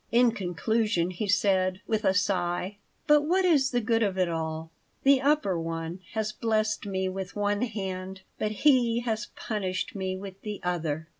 In conclusion he said, with a sigh: "But what is the good of it all? The Upper One has blessed me with one hand, but He has punished me with the other."